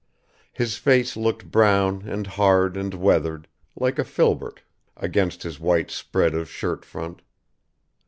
His face looked brown and hard and weathered, like a filbert, against his white spread of shirt front.